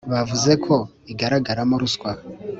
bavuze ko igaragaramo ruswa